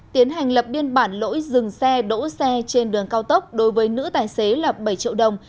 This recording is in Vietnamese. tiến hành lập biên bản lỗi dừng xe đỗ xe trên đường cao tốc đối với nữ tài xế là bảy triệu đồng